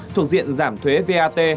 thuộc diện giảm thuế vat